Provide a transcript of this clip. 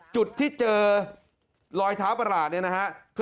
จุดที่เจอรอยเท้าประหลาดเนี่ยนะฮะ